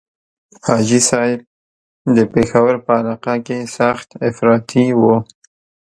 حاجي صاحب د پېښور په علاقه کې سخت افراطي وو.